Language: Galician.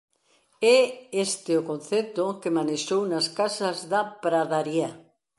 É este o concepto que manexou nas "casas da pradaría".